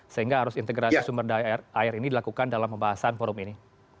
sehingga harus integrasi sumber daya air ini dilakukan dalam pembahasan forum ini